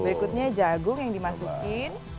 berikutnya jagung yang dimasukin